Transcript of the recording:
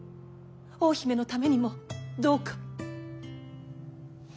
大姫のためにもどうか。